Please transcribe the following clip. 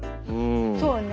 そうね。